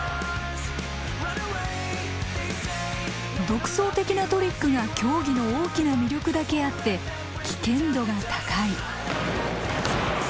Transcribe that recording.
独創的なトリックが競技の大きな魅力だけあって危険度が高い。